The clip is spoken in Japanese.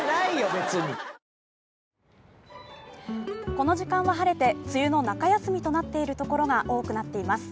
この時間は晴れて梅雨の中休みとなっているところが多くなっています。